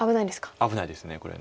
危ないですこれ。